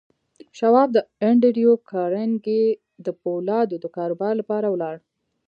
شواب د انډریو کارنګي د پولادو د کاروبار لپاره ولاړ